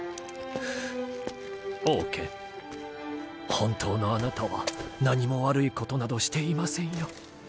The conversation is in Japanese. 本当のあなたは何も悪いことなどしていませんよ。